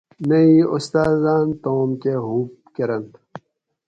نہ ای اُستاۤزاۤن تام کہ ہُوب کۤرنت